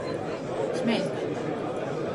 Smeļte.